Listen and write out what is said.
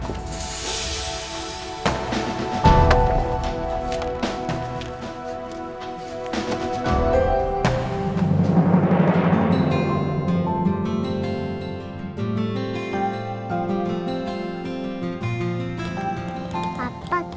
kau di matiin sih